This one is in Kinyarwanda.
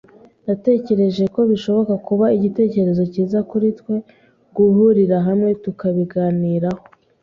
Natekereje ko bishobora kuba igitekerezo cyiza kuri twe guhurira hamwe tukabiganiraho.